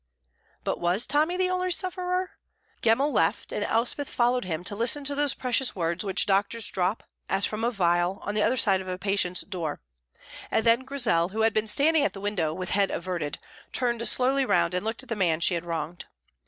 But was Tommy the only sufferer? Gemmell left, and Elspeth followed him to listen to those precious words which doctors drop, as from a vial, on the other side of a patient's door; and then Grizel, who had been standing at the window with head averted, turned slowly round and looked at the man she had wronged.